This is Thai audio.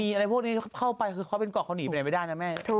มีอะไรพวกนี้เข้าไปเขาเป็นเกาะเขานิ่งไปไหนไปด้านนะแม่